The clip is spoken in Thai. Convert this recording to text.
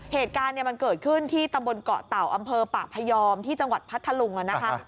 เหตุการณ์มันเกิดขึ้นที่ตำบลเกาะเต่าอำเภอปะพยอมที่จังหวัดพัทธลุงนะคะ